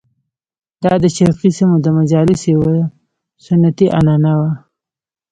دا د شرقي سیمو د مجالسو یوه سنتي عنعنه وه.